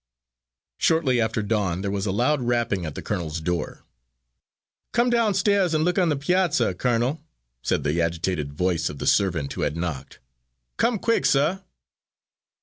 Shortly after dawn there was a loud rapping at the colonel's door: "Come downstairs and look on de piazza, Colonel," said the agitated voice of the servant who had knocked. "Come quick, suh."